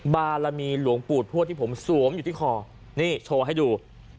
บารมีหลวงปู่ทวดที่ผมสวมอยู่ที่คอนี่โชว์ให้ดู